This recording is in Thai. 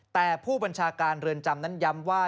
แต่ผู้บัญชาการเรือนจำนั้นย้ำว่า